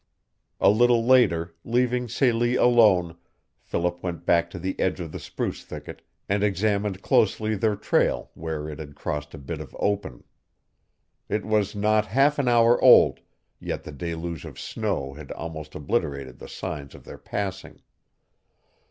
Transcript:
A little later, leaving Celie alone, Philip went back to the edge of the spruce thicket and examined closely their trail where it had crossed a bit of open. It was not half an hour old, yet the deluge of snow had almost obliterated the signs of their passing.